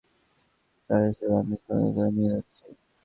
তাই এসব আমি সঙ্গে করে নিয়ে যাচ্ছি।